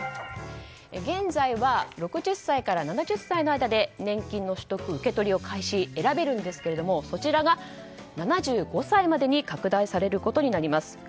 現在は６０歳から７０歳の間で年金の受け取りを開始、選べるんですがそちらが７５歳までに拡大されることになります。